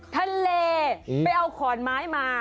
ทะเลไปเอาขอนไม้มา